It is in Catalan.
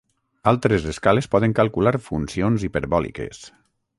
Altres escales poden calcular funcions hiperbòliques.